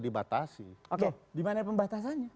dibatasi oke dimana pembatasannya